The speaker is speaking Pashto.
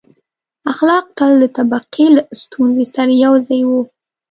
• اخلاق تل د طبقې له ستونزې سره یو ځای وو.